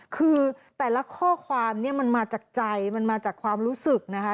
คือแต่ละข้อความเนี่ยมันมาจากใจมันมาจากความรู้สึกนะคะ